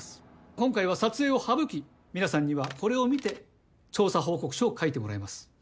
今回は撮影を省き皆さんにはこれを見て調査報告書を書いてもらいます。